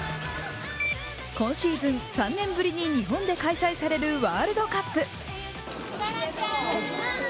今シーズン３年ぶりに日本で開催されるワールドカップ。